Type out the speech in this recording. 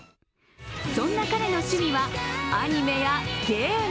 そんな彼の趣味はアニメやゲーム。